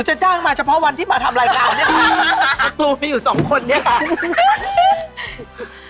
จะจ้างมาเฉพาะที่มาทำรายการสตูมันยังไม่อยู่สองคนเนี่ยฮะ